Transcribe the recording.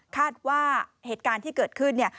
คาดว่าเหตุการณ์ที่เกิดขึ้นเนี่ย